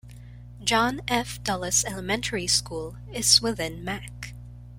John F. Dulles Elementary School is within Mack.